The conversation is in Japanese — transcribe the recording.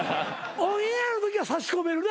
オンエアのときは差し込めるな？